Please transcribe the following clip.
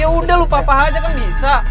yaudah lupa apa aja kan bisa